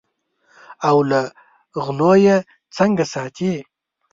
او له غلو یې څنګه ساتې.